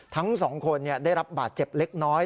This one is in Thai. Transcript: ทั้งสองคนได้รับบาดเจ็บเล็กน้อย